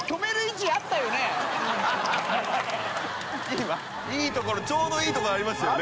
今いいところちょうどいいところありましたよね？